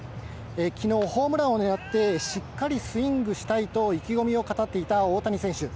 昨日ホームランを狙ってしっかりスイングしたいと意気込みを語っていた大谷選手。